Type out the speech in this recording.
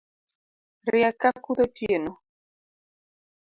Riek ka kuth otieno